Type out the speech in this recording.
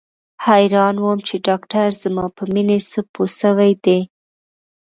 حيران وم چې ډاکتر زما په مينې څه پوه سوى دى.